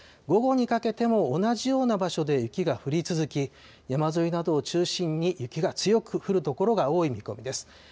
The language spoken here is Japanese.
午後にかけても同じような場所で雪が降り続き、山沿いなどを中心に雪が強く降る所が多い見込みです。